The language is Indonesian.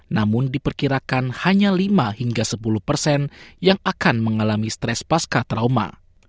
namun diperkirakan hanya lima hingga sepuluh yang akan mengalami stres pasca trauma